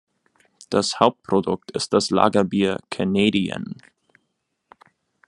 Das Hauptprodukt ist das Lagerbier "Canadian".